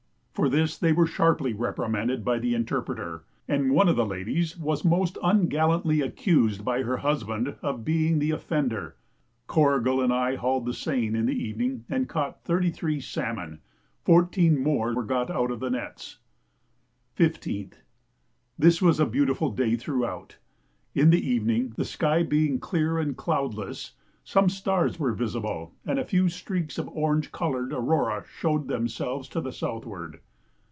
For this they were sharply reprimanded by the interpreter, and one of the ladies was most ungallantly accused by her husband of being the offender. Corrigal and I hauled the seine in the evening and caught thirty three salmon; fourteen more were got out of the nets. 15th. This was a beautiful day throughout. In the evening, the sky being clear and cloudless, some stars were visible, and a few streaks of orange coloured aurora showed themselves to the southward.